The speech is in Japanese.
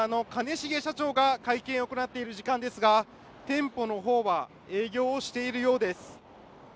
重社長が会見を行っている時間ですが店舗の方は営業をしているようです。